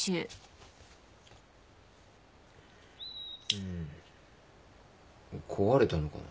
んー壊れたのかな？